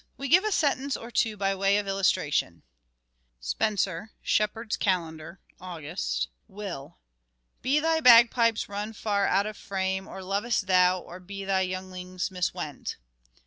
We give a sentence or two by way of illustration : Spenser (S hep tier d' s Calender — August). Will : Be thy bagpipes run far out of frame ? Or lovest thou, or be thy younglings miswent